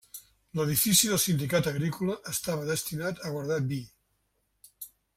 L'edifici del Sindicat Agrícola estava destinat a guardar vi.